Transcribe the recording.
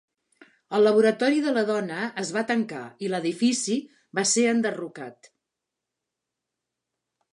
El Laboratori de la dona es va tancar i l'edifici va ser enderrocat.